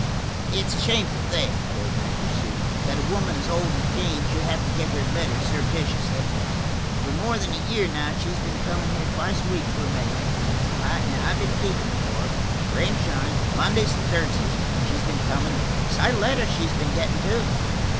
"It's a shameful thing," the old man pursued, "that a woman as old as Jane should have to get her letters surreptitiously. For more than a year now she's been coming here twice a week for her mail, and I've been keeping it for her. Rain or shine, Mondays and Thursdays, she's been coming, and a sight of letters she's been getting, too."